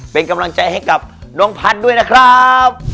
เป็นกำลังใจให้กับน้องพัฒน์ด้วยนะครับ